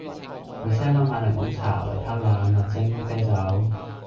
去 Seven 買檸檬茶，維他奶，麥精，啤酒